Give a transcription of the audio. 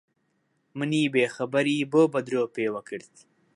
منی بێخەبەری بۆ بە درۆ پێوە کرد؟